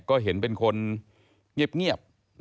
ก็เห็นเป็นคนเงียบ